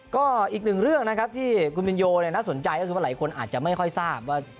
ก็อีกหนึ่งเรื่องนะครับที่คุณมินโยน่าสนใจก็คือว่าหลายคนอาจจะไม่ค่อยทราบว่า